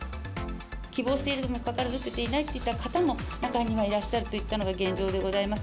希望しているにもかかわらず打てていないという方も中にはいらっしゃるといったのが現状でございます。